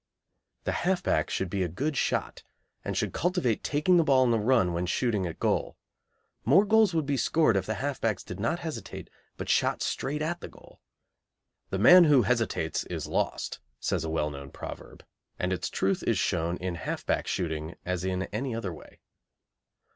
The half back should be a good shot, and should cultivate taking the ball on the run when shooting at goal. More goals would be scored if the half backs did not hesitate but shot straight at the goal. "The man who hesitates is lost," says a well known proverb, and its truth is shown in half back shooting as in any other way.